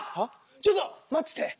ちょっと待ってて。